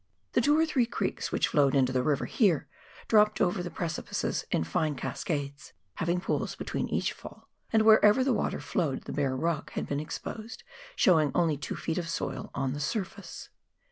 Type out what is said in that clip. The two or three creeks which flowed into the river here, dropped over the precipices in fine cascades, having pools between each fall, and wherever the water flowed the bare rock had been exposed, showing only two feet of soil on the surface.